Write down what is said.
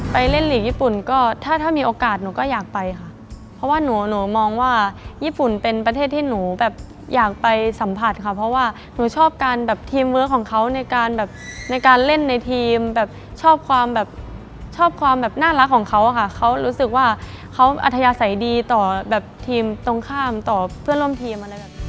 เล่นหลีกญี่ปุ่นก็ถ้าถ้ามีโอกาสหนูก็อยากไปค่ะเพราะว่าหนูหนูมองว่าญี่ปุ่นเป็นประเทศที่หนูแบบอยากไปสัมผัสค่ะเพราะว่าหนูชอบการแบบทีมเวิร์คของเขาในการแบบในการเล่นในทีมแบบชอบความแบบชอบความแบบน่ารักของเขาอะค่ะเขารู้สึกว่าเขาอัธยาศัยดีต่อแบบทีมตรงข้ามต่อเพื่อนร่วมทีมอะไรแบบ